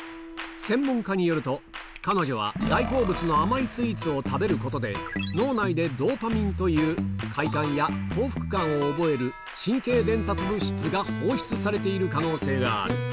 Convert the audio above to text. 専門家によると、彼女は大好物の甘いスイーツを食べることで、脳内でドーパミンという快感や幸福感を覚える神経伝達物質が放出されている可能性がある。